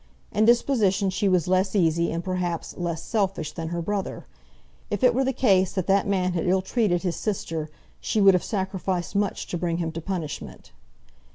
In disposition she was less easy, and, perhaps, less selfish, than her brother. If it were the case that that man had ill treated his sister, she would have sacrificed much to bring him to punishment.